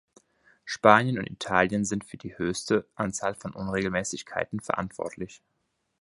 Spanien und Italien sind für die höchste Anzahl von Unregelmäßigkeiten verantwortlich.